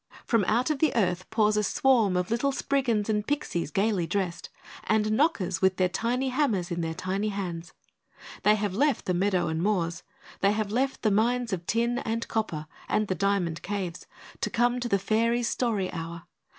From out of the earth pours a swarm of little Spriggans and Pixies gaily dressed, and Knockers with their tiny hammers in their tiny hands. They have left the meadows and moors; they have left the mines of tin and copper, and the diamond caves, to come to the Fairies' Story Hour.